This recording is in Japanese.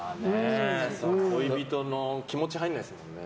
恋人の気持ち入らないですよね。